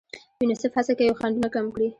یونیسف هڅه کوي خنډونه کم کړي.